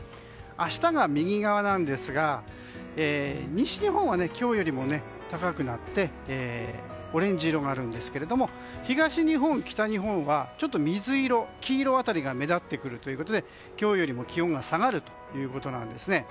明日が右側なんですが西日本は今日よりも高くなってオレンジ色があるんですが東日本、北日本は水色、黄色辺りが目立ってくるということで今日より気温が下がるということなんですね。